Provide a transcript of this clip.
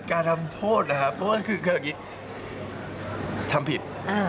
การทำโทษนะครับเพราะว่าคืออย่างนี้ทำผิด